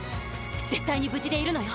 絶対に無事でいるのよ。